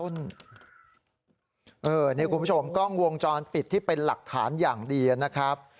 นี่คุณผู้ชมกล้องวงจรปิดที่เป็นหลักฐานอย่างดีนะครับ